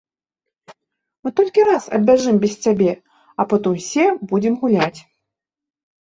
Мы толькі раз абяжым без цябе, а потым усе будзем гуляць.